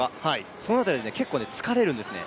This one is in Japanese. そうなると結構疲れるんですね。